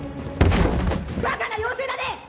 バカな妖精だね！